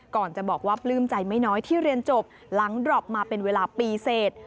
ก่อนจะบอกว่าปลื้มใจไม่น้อยที่เรียนจบหลังดรอปมาเป็นเวลาปีเสร็จ